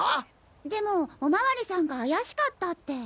でもお巡りさんが怪しかったって。